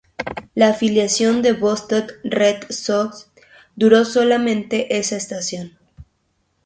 La afiliación de Boston Red Sox duró solamente esa estación.